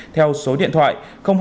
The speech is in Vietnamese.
theo số điện thoại hai mươi tám